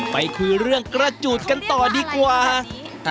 ไปคุยเรื่องกระจูดกันต่อดีกว่า